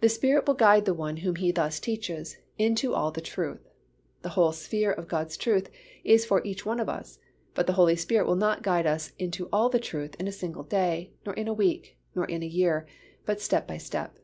The Spirit will guide the one whom He thus teaches "into all the truth." The whole sphere of God's truth is for each one of us, but the Holy Spirit will not guide us into all the truth in a single day, nor in a week, nor in a year, but step by step.